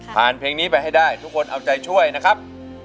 เพลงนี้ไปให้ได้ทุกคนเอาใจช่วยนะครับ